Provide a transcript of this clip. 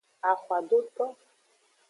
Axwadoto.